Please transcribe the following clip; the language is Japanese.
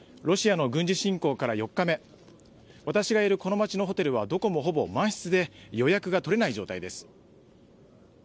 ロシアの軍事侵攻から４日目私がいるこの町のホテルはどこもほぼ満室で予約が取れない状態です。